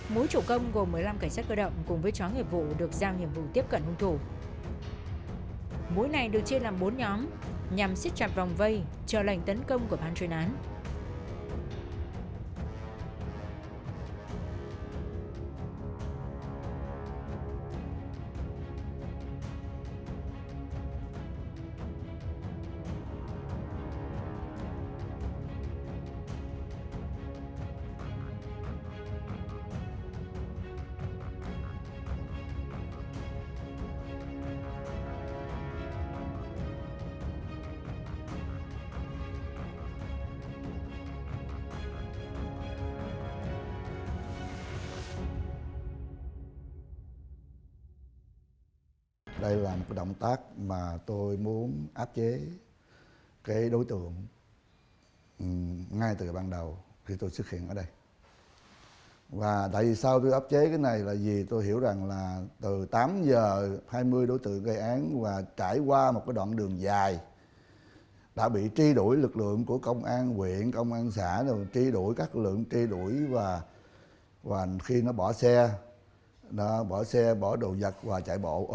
mũi chủ công gồm một mươi năm cảnh sát cơ động cùng với chó nghiệp vụ được giao nhiệm vụ tiếp cận hung thủ